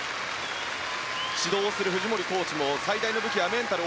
指導をする藤森コーチも最大の武器はメンタル。